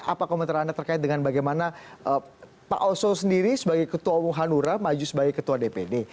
apa komentar anda terkait dengan bagaimana pak oso sendiri sebagai ketua umum hanura maju sebagai ketua dpd